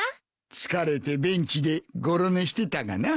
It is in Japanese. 疲れてベンチでごろ寝してたがな。